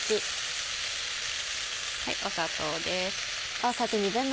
砂糖です。